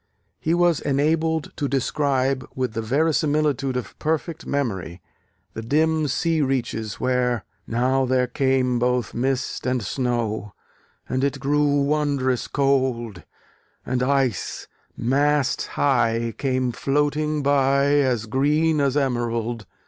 he was enabled to describe, with the verisimilitude of perfect memory, the dim sea reaches where, ... Now there came both mist and snow, And it grew wondrous cold: And ice, mast high, came floating by, As green as emerald.